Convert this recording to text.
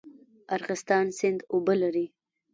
ارغستان سیند اوبه لري؟